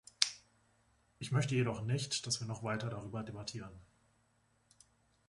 Ich möchte jedoch nicht, dass wir noch weiter darüber debattieren.